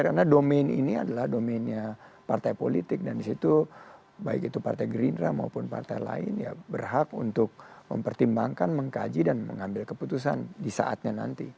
karena domain ini adalah domainnya partai politik dan disitu baik itu partai gerindra maupun partai lain ya berhak untuk mempertimbangkan mengkaji dan mengambil keputusan di saatnya nanti